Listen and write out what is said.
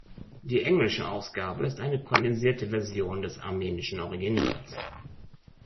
Die englische Ausgabe ist eine kondensierte Version des armenischen Originals.